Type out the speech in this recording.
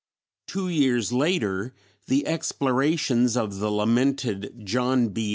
Two years later the explorations of the lamented John B.